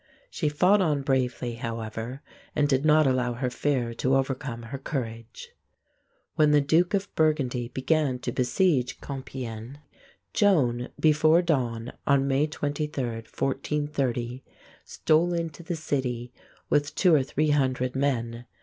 She fought on bravely, however, and did not allow her fear to overcome her courage. When the Duke of Burgundy began to besiege Compiègne, Joan, before dawn, on May 23, 1430, stole into the city with two or three hundred men.